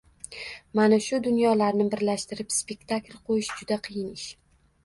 Mana shu dunyolarni birlashtirib spektakl qo‘yish juda qiyin ish